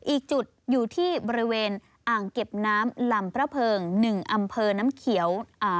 อีกจุดอยู่ที่บริเวณอ่างเก็บน้ำลำพระเพิง๑อำเภอน้ำเขียว